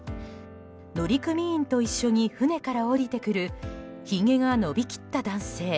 乗組員と一緒に船から降りてくるひげが伸び切った男性